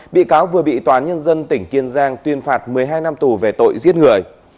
bị cáo vừa bị tòa án nhân dân tỉnh kiên giang tuyên phạt một mươi hai năm tù về tội giết người